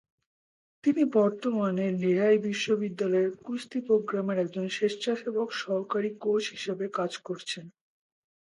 তিনি বর্তমানে লেহাই বিশ্ববিদ্যালয়ের কুস্তি প্রোগ্রামের একজন স্বেচ্ছাসেবক সহকারী কোচ হিসেবে কাজ করছেন।